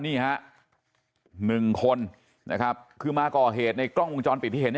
นี่ฮะ๑คนนะครับคือมาก่อเหตุในกล้องวงจรปิดที่เห็น